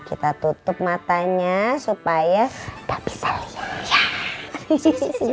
kita tutup matanya supaya gak bisa liat